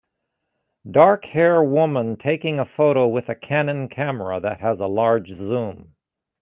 Dark hair woman taking a photo with a canon camera that has a large zoom.